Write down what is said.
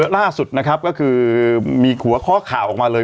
ล่าสุดนะครับก็คือมีหัวข้อข่าวออกมาเลย